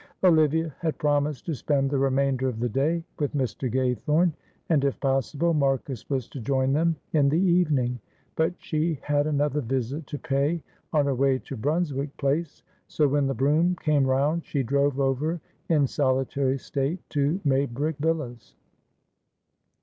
Olivia had promised to spend the remainder of the day with Mr. Gaythorne, and, if possible, Marcus was to join them in the evening, but she had another visit to pay on her way to Brunswick Place, so when the brougham came round she drove over in solitary state to Maybrick Villas.